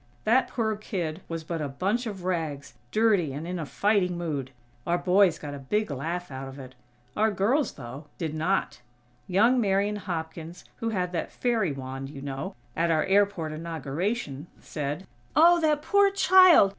That poor kid was but a bunch of rags, dirty, and in a fighting mood. Our boys got a big laugh out of it. Our girls, though, did not. Young Marian Hopkins, who had that fairy wand, you know, at our airport inauguration, said: "Oh, that poor child!